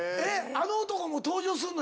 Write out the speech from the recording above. あの男も登場すんの？